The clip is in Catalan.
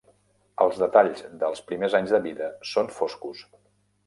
Els detalls dels primers anys de vida són foscos.